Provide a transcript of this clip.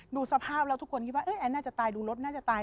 ดูสภาพแล้วทุกคนคิดว่าแอนน่าจะตายดูรถน่าจะตาย